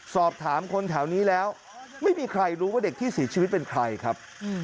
สอบถามคนแถวนี้แล้วไม่มีใครรู้ว่าเด็กที่เสียชีวิตเป็นใครครับ